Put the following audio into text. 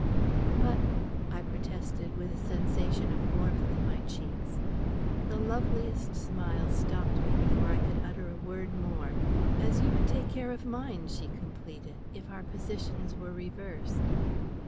"But " I protested, with a sensation of warmth in my cheeks. The loveliest smile stopped me before I could utter a word more. "As you would take care of mine," she completed, "if our positions were reversed."